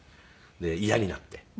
嫌になって。